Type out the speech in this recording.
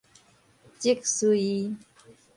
積穗